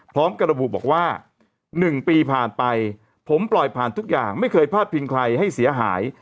พร้อมกับระบุบอกว่า๑ปีผ่านไปผมปล่อยผ่านทุกอย่างไม่เคยพลาดพิงใครให้เสียหาย